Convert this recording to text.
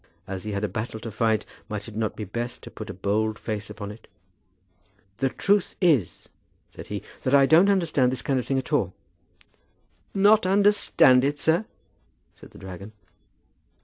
As he had a battle to fight, might it not be best to put a bold face upon it? "The truth is," said he, "that I don't understand this kind of thing at all." "Not understand it, sir?" said the dragon.